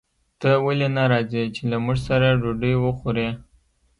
ته ولې نه راځې چې له موږ سره ډوډۍ وخورې